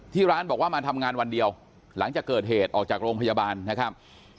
ร้านบอกว่ามาทำงานวันเดียวหลังจากเกิดเหตุออกจากโรงพยาบาลนะครับ